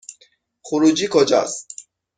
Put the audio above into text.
خروجی کجاست؟